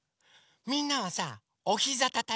みんなはさおひざたたいて。